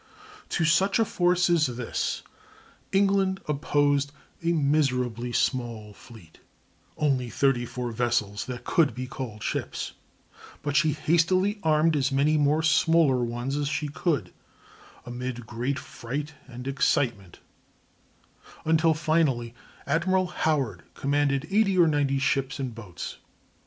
To such a force as this England opposed a miserably small fleet—only 34 vessels that could be called ships; but she hastily armed as many more smaller ones as she could, amid great fright and excitement, until finally Admiral Howard commanded 80 or 90 ships and boats.